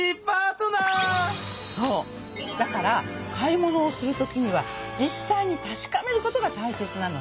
だから買い物をするときには実際に確かめることがたいせつなのね。